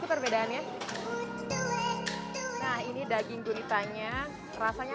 perbedaannya nah ini daging guritanya rasanya kenyal banget makanya harus ada perjuangan untuk